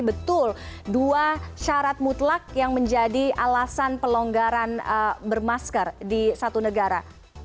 betul dua syarat mutlak yang menjadi alasan pelonggaran bermasker di satu negara